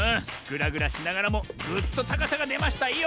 ぐらぐらしながらもぐっとたかさがでましたよ！